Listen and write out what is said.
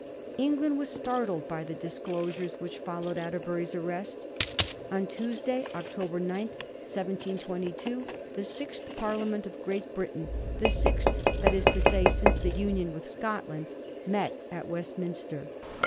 England was startled by the disclosures which followed Atterbury's arrest. On Tuesday, October 9, 1722, the sixth Parliament of Great Britain — the sixth, that is to say, since the union with Scotland — met at Westminster.